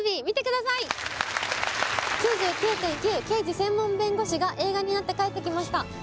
「９９．９−刑事専門弁護士−」が映画になって帰ってきました